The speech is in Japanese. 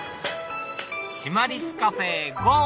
シマリスカフェへゴー！